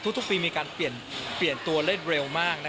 ทุกทุกปีมีการเปลี่ยนตัวเร็วมากนะคะ